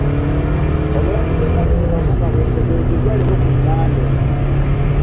Omulamuzi Emmanuel Baguma bwe yategeezezza leero ku Mmande.